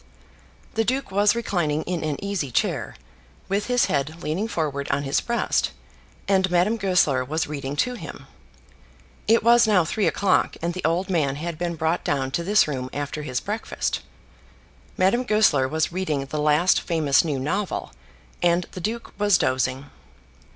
The duke was reclining in an easy chair, with his head leaning forward on his breast, and Madame Goesler was reading to him. It was now three o'clock, and the old man had been brought down to this room after his breakfast. Madame Goesler was reading the last famous new novel, and the duke was dozing.